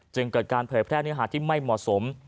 จึงเกิดการเผยแพร่เนื้อหาที่ไม่เหมาะสม